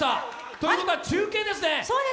ということは中継ですね。